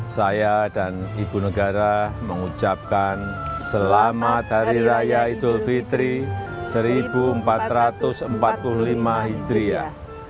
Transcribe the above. saya dan ibu negara mengucapkan selamat hari raya idul fitri seribu empat ratus empat puluh lima hijriah